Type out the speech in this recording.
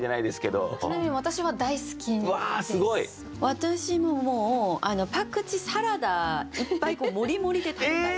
私ももうパクチーサラダいっぱい盛り盛りで食べたり。